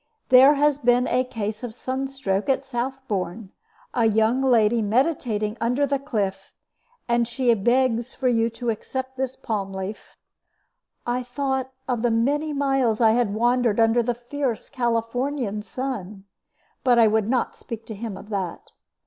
There has been a case of sun stroke at Southbourne a young lady meditating under the cliff and she begs you to accept this palm leaf." I thought of the many miles I had wandered under the fierce Californian sun; but I would not speak to him of that.